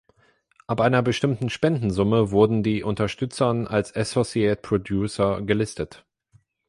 Ab einer bestimmten Spendensumme wurden die Unterstützern als „Associate Producer“ gelistet.